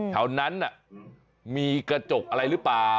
แถวนั้นมีกระจกอะไรหรือเปล่า